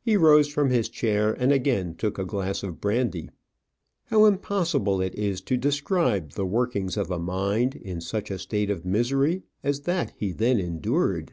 He rose from his chair, and again took a glass of brandy. How impossible it is to describe the workings of a mind in such a state of misery as that he then endured!